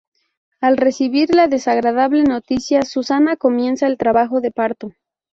Al recibir la desagradable noticia, Susana comienza el trabajo de parto.